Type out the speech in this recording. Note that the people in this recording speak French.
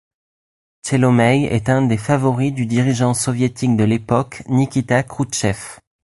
Tchelomeï est un des favoris du dirigeant soviétique de l'époque Nikita Khrouchtchev.